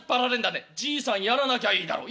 「じいさんやらなきゃいいだろう」。